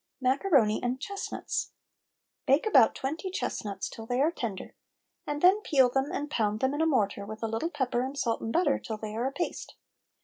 MACARONI AND CHESTNUTS. Bake about twenty chestnuts till they are tender, and then peel them and pound them in a mortar, with a little pepper and salt and butter, till they are a paste.